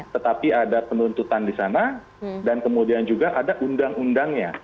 tetapi ada penuntutan di sana dan kemudian juga ada undang undangnya